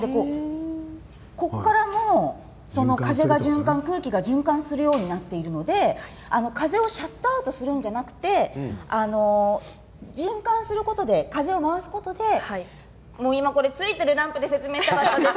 ここからも風が循環空気が循環するようになっているので風をシャットアウトするんじゃなくて循環することで風を回すことで今これ、ついているランプで説明したかったです。